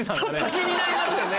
気になりますよね